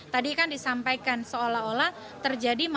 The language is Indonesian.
tadi kan disampaikan seolah olah terjadi marketing pola